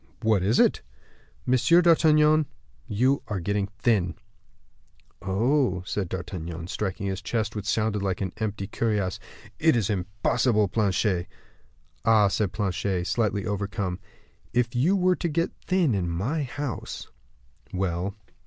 "What is it?" "Monsieur d'Artagnan, you are getting thin." "Oh!" said D'Artagnan, striking his chest which sounded like an empty cuirass, "it is impossible, Planchet." "Ah!" said Planchet, slightly overcome; "if you were to get thin in my house " "Well?"